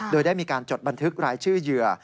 โดยได้มีการจดบันทึกรายชื่อเหยื่อ